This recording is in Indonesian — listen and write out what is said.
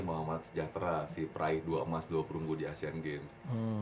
muhammad sejahtera si peraih dua emas dua perunggu di asean games